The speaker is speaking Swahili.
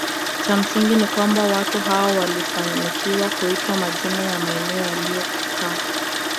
Cha msingi ni kwamba watu hao walifanikiwa kuitwa majina ya maeneo waliyokaa